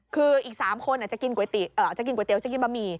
คืออีกสามคนจะกินก๋วยเตี๋ยวจะกินบะหมี่